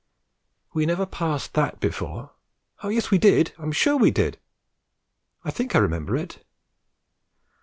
'We never passed that before!' 'Oh, yes, we did. I'm sure we did. I think I remember it.'